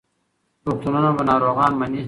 روغتونونه به ناروغان مني.